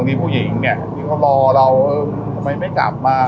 แต่พวกผู้หญิงนะคิดว่าแล้วทำไมไม่กลับมา